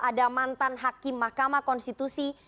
ada mantan hakim mahkamah konstitusi